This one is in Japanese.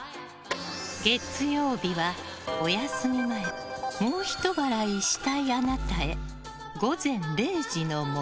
月曜日は、お休み前もうひと笑いしたいあなたへ。